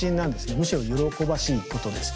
むしろ喜ばしいことです。